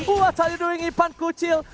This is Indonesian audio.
what are you doing ipan kucil